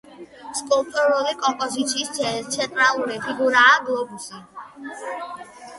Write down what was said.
სკულპტურული კომპოზიციის ცენტრალური ფიგურაა გლობუსი.